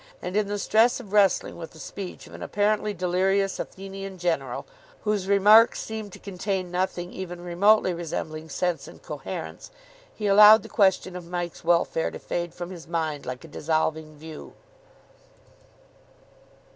And, in the stress of wrestling with the speech of an apparently delirious Athenian general, whose remarks seemed to contain nothing even remotely resembling sense and coherence, he allowed the question of Mike's welfare to fade from his mind like a dissolving view.